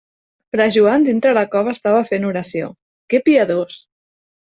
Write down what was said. Fra Joan dintre la cova estava fent oració. Que piadós!